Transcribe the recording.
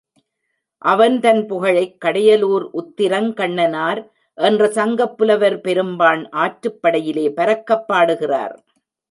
அவன்தன் புகழைக் கடியலூர் உருத்திரங் கண்ணனார் என்ற சங்கப் புலவர் பெரும்பாண் ஆற்றுப் படையிலே பரக்கப் பாடுகிறார்.